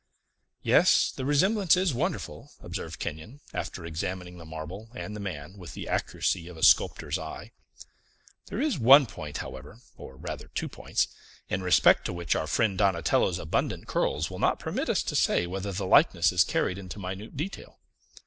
"Yes; the resemblance is wonderful," observed Kenyon, after examining the marble and the man with the accuracy of a sculptor's eye. "There is one point, however, or, rather, two points, in respect to which our friend Donatello's abundant curls will not permit us to say whether the likeness is carried into minute detail."